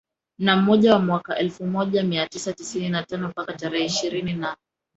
na moja mwaka elfu moja mia tisa tisini na tano mpaka tarehe ishirini na